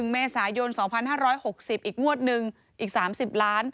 เมษายน๒๕๖๐อีกงวดหนึ่งอีก๓๐ล้าน